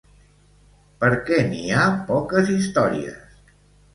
Per què n'hi ha poques històries?